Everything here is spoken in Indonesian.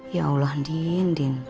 ya allah andin